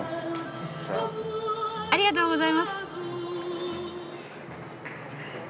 ありがとうございます。